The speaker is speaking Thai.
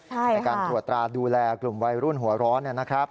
ในการตรวจตราดูแลกลุ่มวัยรุ่นหัวร้อนนะครับ